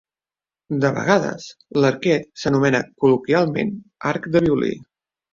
De vegades, l'arquet s'anomena col·loquialment "arc de violí".